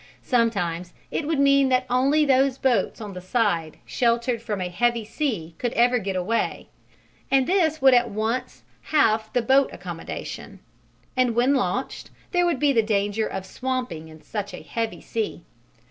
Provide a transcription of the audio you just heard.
Sometimes it would mean that only those boats on the side sheltered from a heavy sea could ever get away, and this would at once halve the boat accommodation. And when launched, there would be the danger of swamping in such a heavy sea.